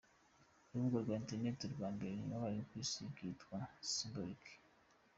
Urubuga rwa interineti rwa mbere wabayeho ku isi rwitwa symbolic.